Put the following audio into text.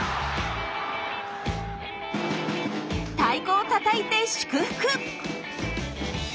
太鼓をたたいて祝福！